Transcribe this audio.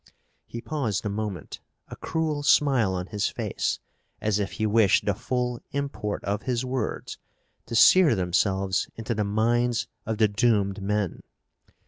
He paused a moment, a cruel smile on his face, as if he wished the full import of his words to sear themselves into the minds of the doomed men.